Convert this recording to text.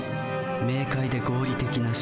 明快で合理的な思考。